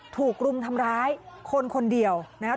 ถูกรุมทำร้ายคนคนเดียวนะครับ